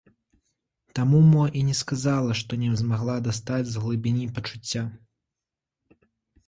Таму мо і не сказала, што не змагла дастаць з глыбіні пачуцця.